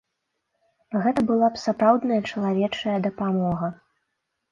Гэта была б сапраўдная чалавечая дапамога.